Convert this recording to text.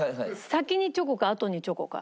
先にチョコかあとにチョコか。